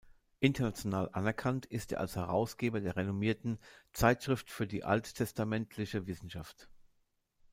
International anerkannt ist er als Herausgeber der renommierten „Zeitschrift für die alttestamentliche Wissenschaft“.